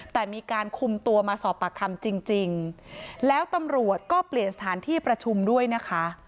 แต่มีการคุมตัวมาสอบปากคำจริงจริงแล้วตำรวจก็เปลี่ยนสถานที่ประชุมด้วยนะคะ